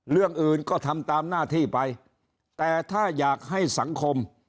เรื่องอื่นก็ทำตามหน้าที่ไปแต่ถ้าอยากให้สังคม